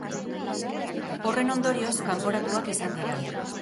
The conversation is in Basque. Horren ondorioz, kanporatuak izan dira.